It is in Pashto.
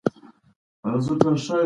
د واک ناوړه استعمال منع دی.